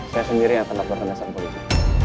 saya sendiri yang telah melaporkan esat ke polisi